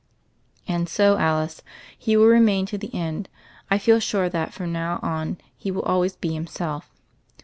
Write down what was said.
"And so, Alice, he will remain to the end. I feel sure that from now on he will always be himself."